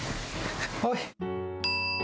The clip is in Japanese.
おい！